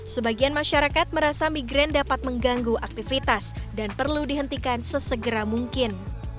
sebagian masyarakat merasa migran dapat mengganggu aktivitas dan perlu dihentikan sesegera mungkin